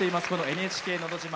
「ＮＨＫのど自慢」。